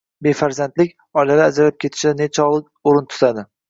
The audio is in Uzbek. Befarzandlik oilalar ajralib ketishida nechog‘li o‘rin tutadi?